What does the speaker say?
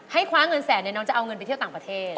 คว้าเงินแสนเนี่ยน้องจะเอาเงินไปเที่ยวต่างประเทศ